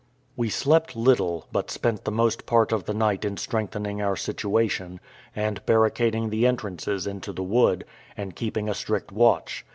We slept little, but spent the most part of the night in strengthening our situation, and barricading the entrances into the wood, and keeping a strict watch.